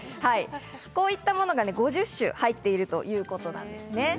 こういったものが５０首入っているということなんです。